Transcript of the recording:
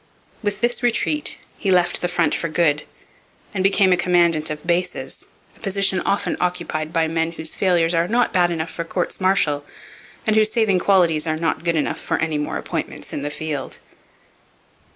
With this retreat he left the front for good and became a commandant of bases, a position often occupied by men whose failures are not bad enough for courts martial and whose saving qualities are not good enough for any more appointments in the field.